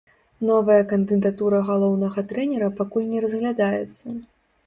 Новая кандыдатура галоўнага трэнера пакуль не разглядаецца.